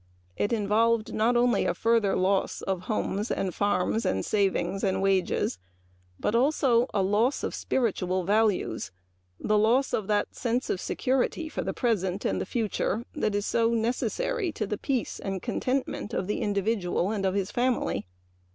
It involved not only a further loss of homes, farms, savings and wages but also a loss of spiritual values the loss of that sense of security for the present and the future so necessary to the peace and contentment of the individual and of his family.